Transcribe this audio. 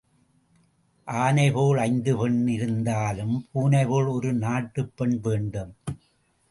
ஆனை போல் ஐந்து பெண் இருந்தாலும் பூனை போல் ஒரு நாட்டுப் பெண் வேண்டும்.